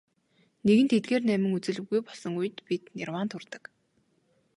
Нэгэнт эдгээр найман үзэл үгүй болсон үед бид нирваанд хүрдэг.